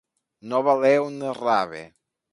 No valer un rave.